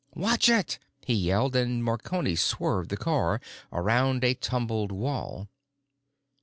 "Watch it!" he yelled, and Marconi swerved the car around a tumbled wall.